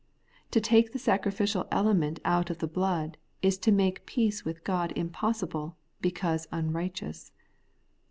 To take the sacrificial element out of the blood, is to make peace with God impossible, because unrighteous.